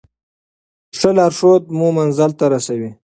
ښه لارښود مو منزل ته رسوي.